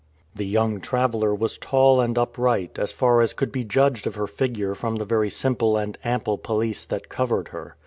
The young traveler was tall and upright, as far as could be judged of her figure from the very simple and ample pelisse that covered her.